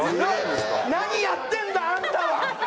何やってんだ！？あんたは。